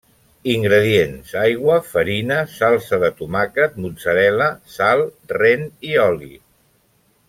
Ingredients: aigua, farina, salsa de tomàquet, mozzarella, sal, rent i oli.